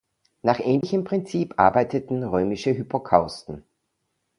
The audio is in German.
Nach ähnlichem Prinzip arbeiteten römische Hypokausten.